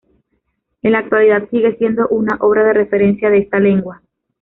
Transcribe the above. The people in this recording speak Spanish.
En la actualidad sigue siendo una obra de referencia de esta lengua.